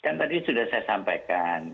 dan tadi sudah saya sampaikan